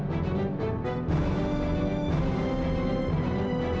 terima kasih ya